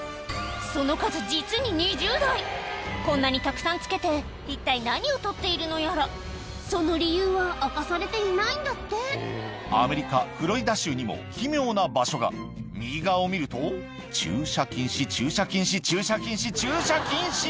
その数実にこんなにたくさん付けて一体何を撮っているのやらその理由は明かされていないんだってアメリカフロリダ州にも奇妙な場所が右側を見ると駐車禁止駐車禁止駐車禁止駐車禁止！